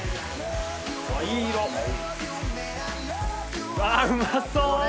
わっいい色！わうまそう！